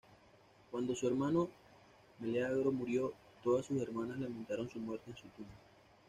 Cuando su hermano Meleagro murió, todas sus hermanas lamentaron su muerte en su tumba.